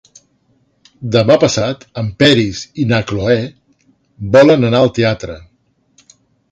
Demà passat en Peris i na Cloè volen anar al teatre.